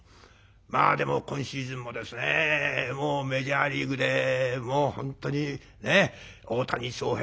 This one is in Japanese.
まあでも今シーズンもですねメジャーリーグでもう本当にね大谷翔平